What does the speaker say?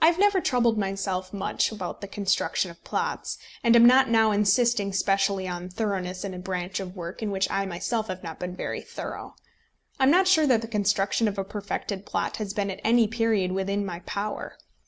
I have never troubled myself much about the construction of plots, and am not now insisting specially on thoroughness in a branch of work in which I myself have not been very thorough. I am not sure that the construction of a perfected plot has been at any period within my power.